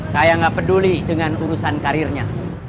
saya nggak peduli dengan urusan karirnya